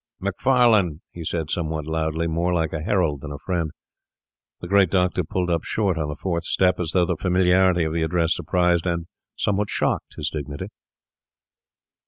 'Macfarlane!' he said somewhat loudly, more like a herald than a friend. The great doctor pulled up short on the fourth step, as though the familiarity of the address surprised and somewhat shocked his dignity.